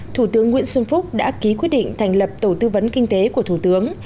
thủ tướng nguyễn xuân phúc đã ký quyết định thành lập tổ tư vấn kinh tế của thủ tướng